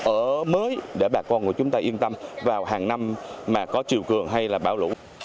ở mới để bà con của chúng ta yên tâm vào hàng năm mà có chiều cường hay là bão lũ